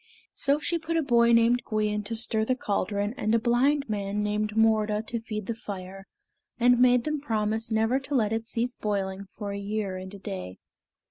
So she put a boy named Gwion to stir the caldron and a blind man named Morda to feed the fire; and made them promise never to let it cease boiling for a year and a day.